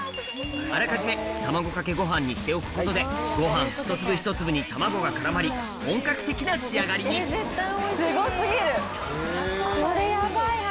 あらかじめ卵かけご飯にしておくことでご飯ひと粒ひと粒に卵が絡まり本格的な仕上がりにこれ。